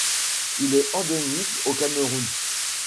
Il est endémique au Cameroun.